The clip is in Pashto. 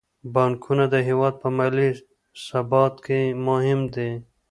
بانکونه د هیواد په مالي ثبات کې مهم دي.